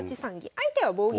相手は棒銀。